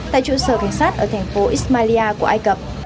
tại trụ sở cảnh sát ở thành phố ismalia của ai cập